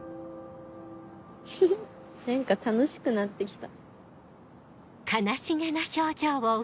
フフっ何か楽しくなって来た。